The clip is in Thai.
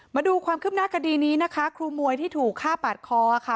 มาดูความคืบหน้าคดีนี้นะคะครูมวยที่ถูกฆ่าปาดคอค่ะ